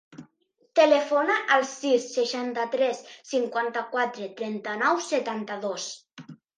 Telefona al sis, seixanta-tres, cinquanta-quatre, trenta-nou, setanta-dos.